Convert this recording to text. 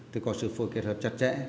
thì có sự phối kết hợp chặt chẽ